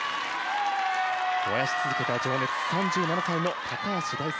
燃やし続けた情熱３７歳の高橋大輔。